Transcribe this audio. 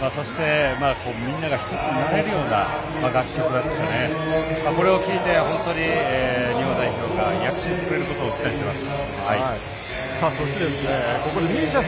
みんなが一つになれるような楽曲でしたね、これを聴いて日本代表が躍進してくれることを期待しています。